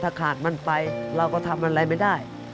ถ้าขาดมันไปเราก็ทำอะไรไม่ได้